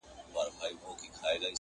په ښاديو نعمتونو يې زړه ښاد وو،